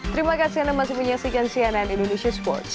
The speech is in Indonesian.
terima kasih anda masih menyaksikan cnn indonesia sports